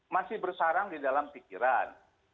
masih bersarang di dalam pikiran